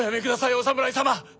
お侍様！